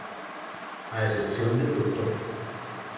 A excepción del Dr.